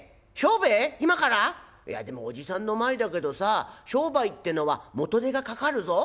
いやでもおじさんの前だけどさ商売ってのは元手がかかるぞ」。